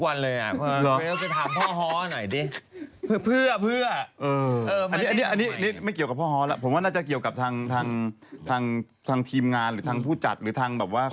อันนี้ไม่เกี่ยวกับพ่อฮ้อแล้วผมว่าน่าจะเกี่ยวกับทางทีมงานหรือทางผู้จัดหรือทางแบบว่า